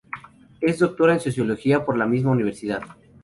Es Doctora en sociología por la misma universidad.